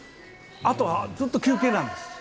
あとはずっと休憩なんです。